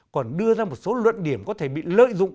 còn đưa ra một số luận điểm có thể bị lợi dụng